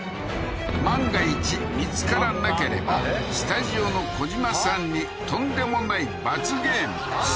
万が一見つからなければスタジオの児嶋さんにとんでもない罰ゲームです